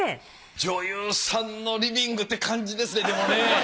女優さんのリビングって感じですねでもね。